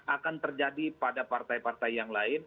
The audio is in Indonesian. akan terjadi pada partai partai yang lain